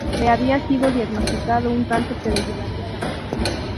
Le había sido diagnosticado un cáncer que le llevaría a la muerte.